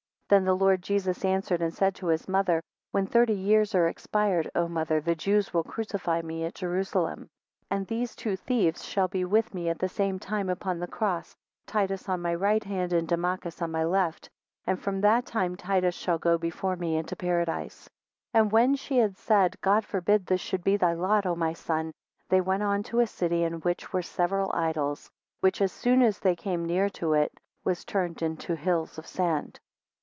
6 Then the Lord Jesus answered, and said to his mother, When thirty years are expired, O mother, the Jews will crucify me at Jerusalem; 7 And these two thieves shall be with me at the same time upon the cross, Titus on my right hand, and Dumachus on my left, and from that time Titus shall go before me into paradise; 8 And when she had said, God forbid this should be thy lot, O my son, they went on to a city in which were several idols; which, as soon as they came near to it, was turned into hills of sand.